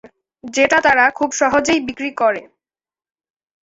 যেটা তারা খুব সহজেই বিক্রি করে।